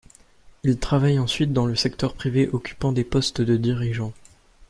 Il travaille ensuite dans le secteur privé, occupant des postes de dirigeant.